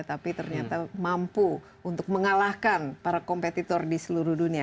tapi ternyata mampu untuk mengalahkan para kompetitor di seluruh dunia